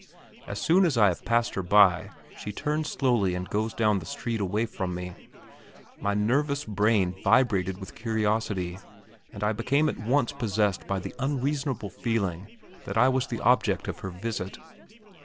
As soon as I have passed her by she turns slowly and goes down the street away from me. My nervous brain vibrated with curiosity, and I became at once possessed by the unreasonable feeling that I was the object of her visit.